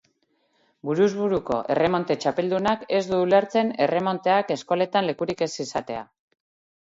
Buruz buruko erremonte txapeldunak ez du ulertzen erremonteak eskoletan lekurik ez izatea.